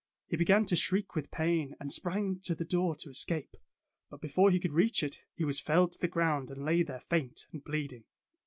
He began to shriek with pain, and sprang to the door to escape. But before he could reach it, he was felled to the ground, and lay there faint and bleeding.